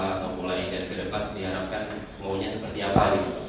atau mulai dan ke depan diharapkan maunya seperti apa